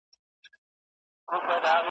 یارانه پر میدان ختمه سوه بې پته .